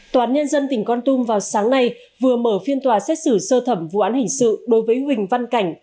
tòa án nhân dân tỉnh con tum vào sáng nay vừa mở phiên tòa xét xử sơ thẩm vụ án hình sự đối với huỳnh văn cảnh